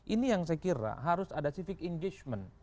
ini yang saya kira harus ada civic engagement